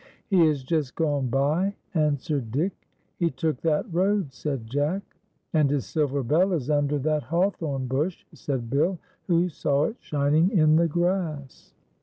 " He has just gone by," answered Dick. " He took that road," said Jack. " And his silver bell is under that hawthorn bush," said Bill, who saw it shining in the grass.